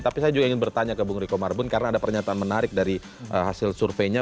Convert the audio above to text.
tapi saya juga ingin bertanya ke bung riko marbun karena ada pernyataan menarik dari hasil surveinya